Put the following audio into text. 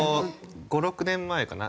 ５６年前かな？